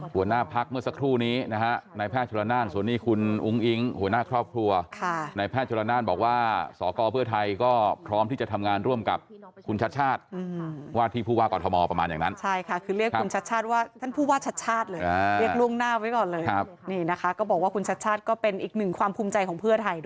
หัวหน้าพักเมื่อสักครู่นี้ในแพทย์จนสวัสดีคุณอุ้งอิง